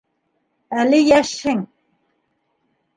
Әле йәшһең!